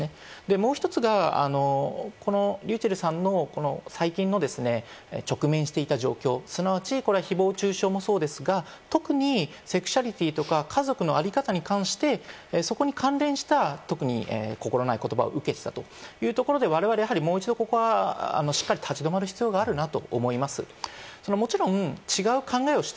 もう一つが、このｒｙｕｃｈｅｌｌさんの最近の直面していた状況、すなわち誹謗中傷もそうですが、特にセクシャリティーとか、家族の在り方に関してそこに関連した、特に心無い言葉を受けていたりというところで、われわれ、もう一度ここはしっかり立ち止まる必要があるなと思います。